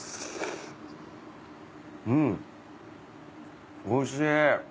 うんおいしい！